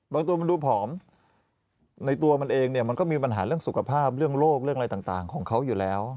ตัวมันดูผอมในตัวมันเองเนี่ยมันก็มีปัญหาเรื่องสุขภาพเรื่องโรคเรื่องอะไรต่างของเขาอยู่แล้ว